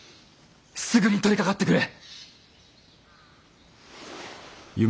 すぐに取りかかってくれ。